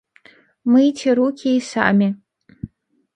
Мыйце рукі і самі.